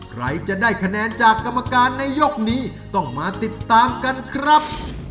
ใครจะได้คะแนนจากกรรมการในยกนี้ต้องมาติดตามกันครับ